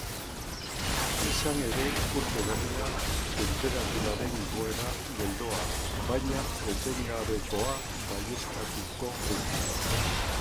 Izan ere, urte berriak tenperaturaren igoera geldoa baina etengabekoa baieztatuko du.